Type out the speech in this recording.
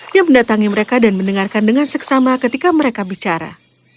yang mendatangi mereka dan mendengarkan dengan seksama ketika mereka bicara